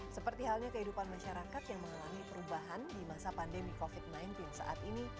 seperti halnya kehidupan masyarakat yang mengalami perubahan di masa pandemi covid sembilan belas saat ini